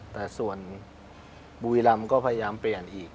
แต่ส่วนบุรีรำก็พยายามเปลี่ยนอีก